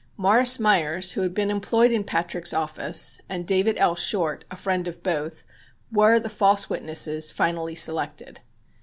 Morris Meyers, who had been employed in Patrick's office, and David L. Short, a friend of both, were the false witnesses finally selected.